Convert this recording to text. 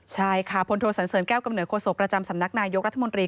ใช่ค่ะพศแก้วกำเนินโฆษบประจำสำนักนายยกรัฐมนตรี